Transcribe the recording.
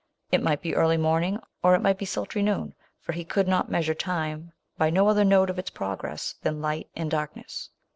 It might be early morning, or it might be sultry noon, for he could measure time by no other note of its progress than light and darkness.